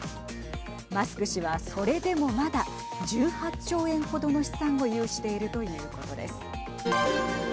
マスク氏は、それでもまだ１８兆円程の資産を有しているということです。